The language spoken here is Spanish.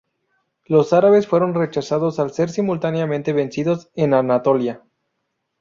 Los árabes fueron rechazados al ser simultáneamente vencidos en Anatolia.